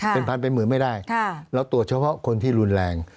เป็นพันเป็นหมื่นไม่ได้เราตรวจเฉพาะคนที่รุนแรง